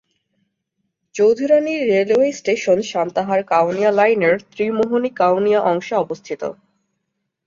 Chowdhurani railway station Santahar-Kaunia লাইনের ত্রিমোহনী-কাউনিয়া অংশে অবস্থিত।